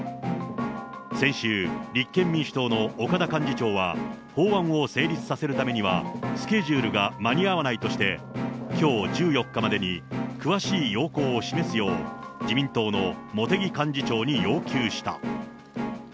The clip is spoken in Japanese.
先週、立憲民主党の岡田幹事長は、法案を成立させるためにはスケジュールが間に合わないとして、きょう１４日までに詳しい要綱を示すよう、自民党の茂木幹事長に要求した。